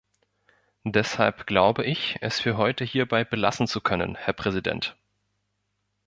Deshalb glaube ich, es für heute hierbei belassen zu können, Herr Präsident.